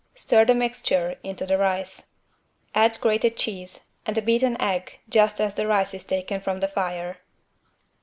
Stir the mixture into the rice. Add grated cheese and a beaten egg just as the rice is taken from the fire.